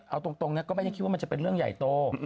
เอาตรงนะก็ไม่ได้คิดว่ามันจะเป็นเรื่องใหญ่โต